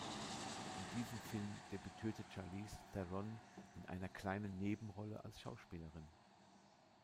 In diesem Film debütierte Charlize Theron in einer kleinen Nebenrolle als Schauspielerin.